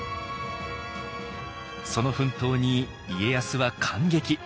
その奮闘に家康は感激。